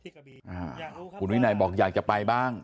คุณวินัยบอกอยากจะไปบ้าง